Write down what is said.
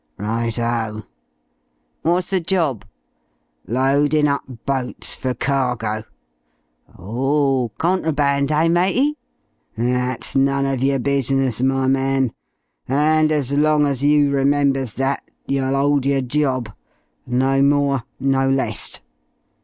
"Righto." "What's the job?" "Loadin' up boats fer cargo." "Oh!... Contraband, eh, matey?" "That's none uv yer business, my man, and as long as you remembers that, you'll 'old yer job; no more, no less."